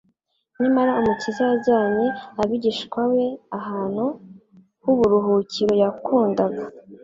nyamara Umukiza yajyanye abigishwa be ahantu h'uburuhukiro yakundaga;